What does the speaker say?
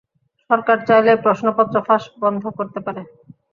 সরকার চাইলেই প্রশ্নপত্র ফাঁস বন্ধ করতে পারে।